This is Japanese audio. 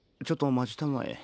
ちょっと待ちたまえ。